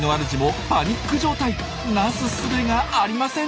なすすべがありません。